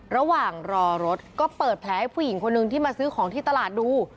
ระหว่างรอรถก็เปิดแผลให้ผู้หญิงคนนึงที่มาซื้อของที่ตลาดดู